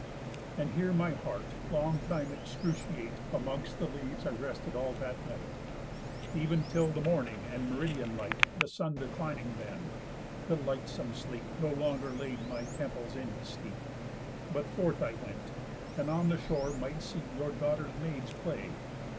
And here my heart, long time excruciate, Amongst the leaves I rested all that night, Ev'n till the morning and meridian light. The sun declining then, delightsome sleep No longer laid my temples in his steep, But forth I went, and on the shore might see Your daughter's maids play.